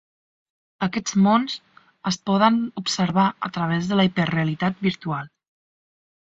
Aquests mons es poden observar a través de la Hiperrealitat Virtual.